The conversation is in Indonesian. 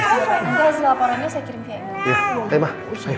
guys laporannya saya kirim via email